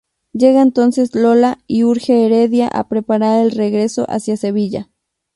Llega entonces Lola y urge Heredia a preparar el regreso hacia Sevilla.